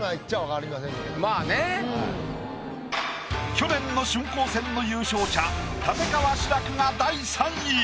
去年の春光戦の優勝者立川志らくが第３位！